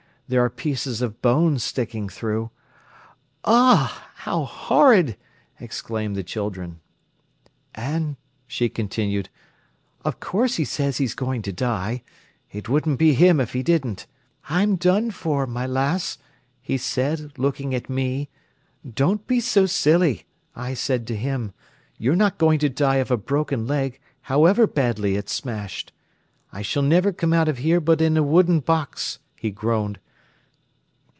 There are pieces of bone sticking through—" "Ugh—how horrid!" exclaimed the children. "And," she continued, "of course he says he's going to die—it wouldn't be him if he didn't. 'I'm done for, my lass!' he said, looking at me. 'Don't be so silly,' I said to him. 'You're not going to die of a broken leg, however badly it's smashed.' 'I s'll niver come out of 'ere but in a wooden box,' he groaned.